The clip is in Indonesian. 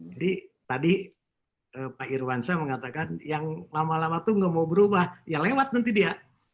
jadi tadi pak irwansyah mengatakan yang lama lama itu nggak mau berubah ya lewat nanti dia